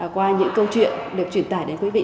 qua những câu chuyện được truyền tải đến quý vị